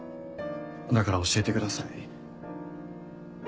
だから教えてください。